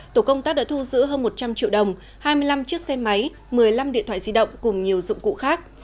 tổ công tác đã thu giữ hơn một trăm linh triệu đồng hai mươi năm chiếc xe máy một mươi năm điện thoại di động cùng nhiều dụng cụ khác